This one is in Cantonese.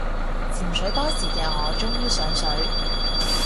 潛水多時嘅我終於上水